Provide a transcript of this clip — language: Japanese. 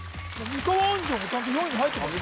三河安城がちゃんと４位に入ってますよ